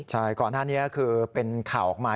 ใช่ก่อนหน้านี้คือเป็นข่าวออกมา